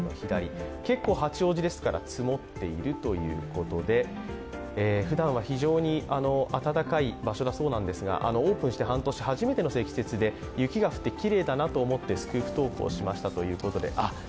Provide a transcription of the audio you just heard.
八王子ですから結構積もっているということでふだんは非常に暖かい場所だそうなんですがオープンして半年、初めての積雪で、雪が降ってきれいだなと思ってスクープ投稿しましたということで。